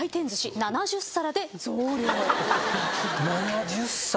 ７０皿？